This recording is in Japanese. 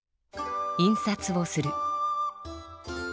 印刷をする。